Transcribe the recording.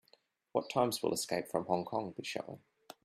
What times will Escape from Hong Kong be showing?